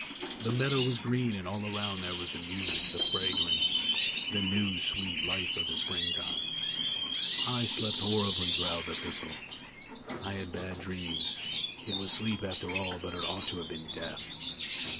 The meadow was green, and all around there were the music, the fragrance, the new, sweet life of the springtime. "I slept horribly," growled the thistle. "I had bad dreams. It was sleep, after all, but it ought to have been death."